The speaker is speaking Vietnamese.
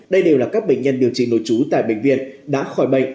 đây đều là các bệnh nhân điều trị nội trú tại bệnh viện đã khỏi bệnh